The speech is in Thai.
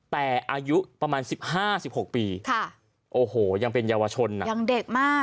แต่อายุประมาณ๑๕๑๖ปีโอ้โหยังเป็นเยาวชนอ่ะยังเด็กมาก